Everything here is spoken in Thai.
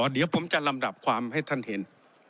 เดี๋ยวผมจะลำดับความให้ท่านเห็น